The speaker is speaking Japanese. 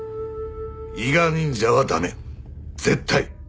伊賀忍者は駄目絶対！